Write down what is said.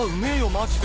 マジで。